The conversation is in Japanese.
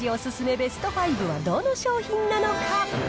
ベスト５はどの商品なのか。